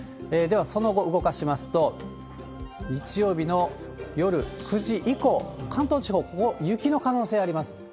ではその後、動かしますと、日曜日の夜９時以降、関東地方、ここ、雪の可能性あります。